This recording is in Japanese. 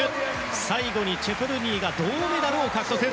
最後にチェプルニーが銅メダルを獲得。